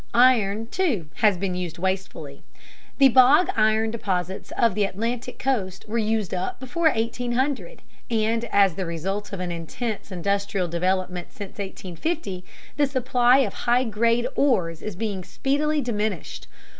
Iron, too, has been used wastefully. The bog iron deposits of the Atlantic coast were used up before 1800, and as the result of an intense industrial development since 1850, the supply of high grade ores is being speedily diminished.